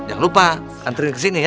jangan lupa anterin ke sini ya